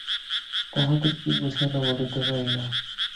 তাহাতে কী বুঝাইল বলিতে পারি না।